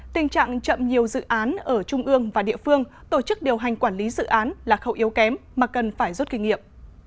tình trạng chậm nhiều dự án ở trung ương và địa phương tổ chức điều hành quản lý dự án là khẩu yếu kém mà cần phải rút kinh nghiệm